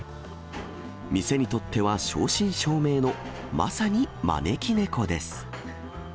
店にとっては正真正銘のまさに招き猫です。